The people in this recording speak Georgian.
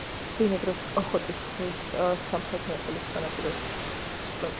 ფილმი შედგება სამი პარალელური სიუჟეტური ხაზისგან.